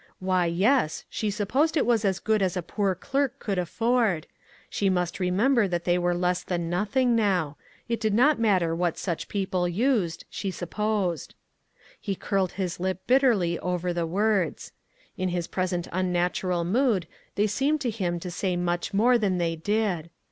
Why, yes; she supposed it was as good as a poor clerk could afford; she must remember that they were less than nothing now; it did not matter what such people used, she supposed. He curled his lip bitterly over the words. In his present unnatural mood they seemed to him to say much more than they did.